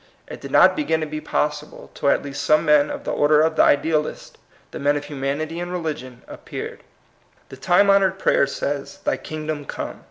It did not begin to be possible till at least some men of the order of the idealists, the men of humanity and religion, appeared. The time honored prayer says, "Thy kingdom come."